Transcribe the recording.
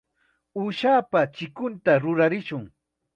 Uushapa chikunta rurarishun.